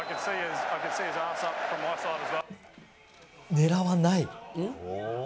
狙わない？